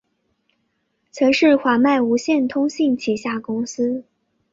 曾是华脉无线通信旗下公司。